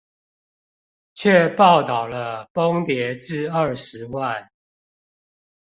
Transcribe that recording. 卻報導了崩跌至二十萬